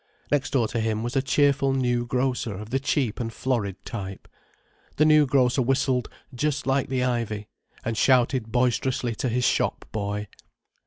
Next door to him was a cheerful new grocer of the cheap and florid type. The new grocer whistled "Just Like the Ivy," and shouted boisterously to his shop boy.